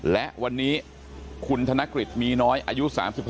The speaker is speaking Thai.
และวันนี้คุณธนกฤษมีน้อยอายุ๓๖